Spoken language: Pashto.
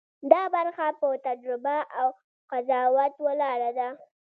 دا برخه په تجربه او قضاوت ولاړه ده.